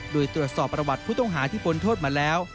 โดยตรวจสอบประวัติผู้ต้องหาที่พ้นโทษมาแล้ว